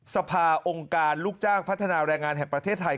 สภาองค์การลูกจ้างพัฒนาแรงงานแห่งประเทศไทย